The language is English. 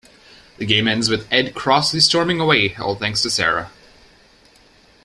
The game ends with Ed crossly storming away, all thanks to Sarah.